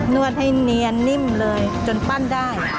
วดให้เนียนนิ่มเลยจนปั้นได้